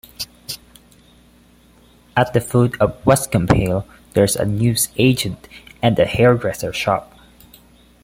At the foot of Westcombe Hill, there is a newsagent and a hairdresser's shop.